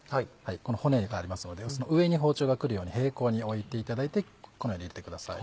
この骨がありますのでその上に包丁が来るように平行に置いていただいてこのようにいってください。